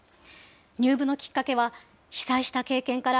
入部のきっかけは、被災した経験から、